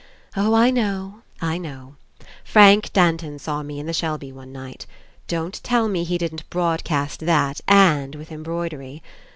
Oh, I know, I know. Frank Danton saw me in the Shelby one night. Don't tell me he didn't broadcast that, and with embroidery.